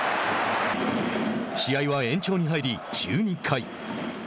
試合は延長に入り１２回。